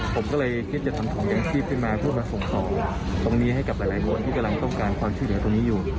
ผมก็เลยคิดจะทำของยังทรีปไปมาพูดมาส่งต่อตรงนี้ให้กับหลายหลายโบสถ์ที่กำลังต้องการความชื่นเหลือตรงนี้อยู่